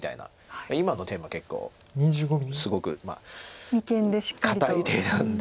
今の手も結構すごく堅い手なんで。